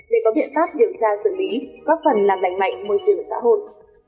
để có biện pháp điều tra xử lý các phần làm đánh mạnh môi trường xã hội